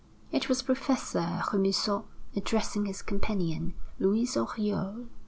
It was Professor Remusot addressing his companion, Louise Oriol.